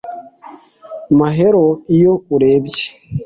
Mahero iyo urebye